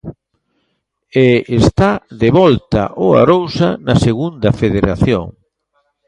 E está de volta o Arousa na Segunda Federación.